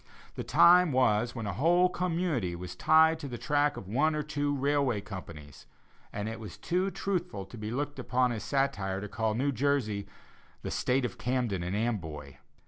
The time was when a whole community was tied to the track of one or two railway companies, and it was too truthful to be looked upon as satire to call New Jersey the "State of Camden and Amboy."